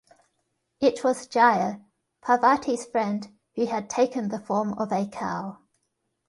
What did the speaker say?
It was Jaya - Parvati's friend, who had taken the form of a cow.